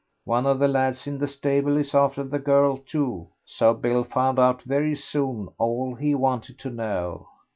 One of the lads in the stable is after the girl, too, so Bill found out very soon all he wanted to know.